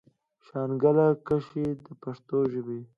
شانګله کښې د پښتو ژبې